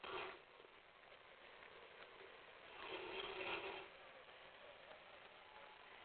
هر لغت باید خپل جواز ولري.